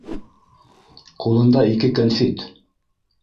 Ҡулында ике кәнфит.